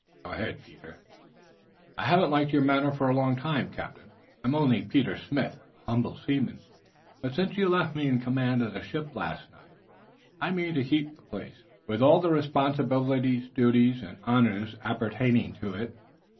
"Go ahead, Peter." "I haven't liked your manner for a long time, captain. I'm only Peter Smith, a humble seaman, but since you left me in command of the ship last night I mean to keep the place, with all the responsibilities, duties and honors appertaining to it.